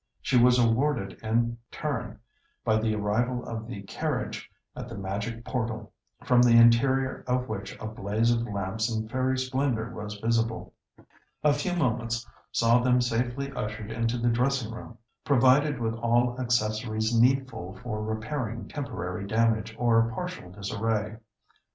She was rewarded in turn by the arrival of the carriage at the magic portal, from the interior of which a blaze of lamps and fairy splendour was visible. A few moments saw them safely ushered into the dressing room, provided with all accessories needful for repairing temporary damage or partial disarray.